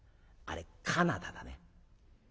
あれカナダだね。